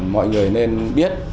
mọi người nên biết